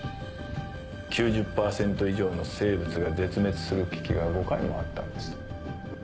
９０％以上の生物が絶滅する危機が５回もあったんです。